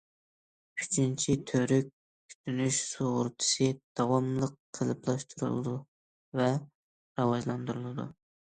ئۈچىنچى تۈۋرۈك كۈتۈنۈش سۇغۇرتىسى داۋاملىق قېلىپلاشتۇرۇلىدۇ ۋە راۋاجلاندۇرۇلىدۇ.